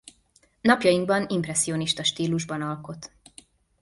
Napjainkban impresszionista stílusban alkot.